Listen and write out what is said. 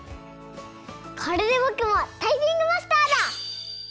これでぼくもタイピングマスターだ！